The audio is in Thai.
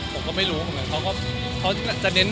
ก็จะชื้นนิดหนึ่ง